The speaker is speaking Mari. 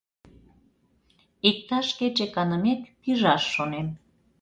Иктаж кече канымек, пижаш шонем.